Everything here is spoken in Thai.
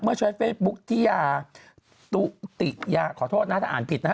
ใช้เฟซบุ๊คที่ยาตุติยาขอโทษนะถ้าอ่านผิดนะฮะ